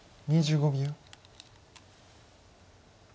２５秒。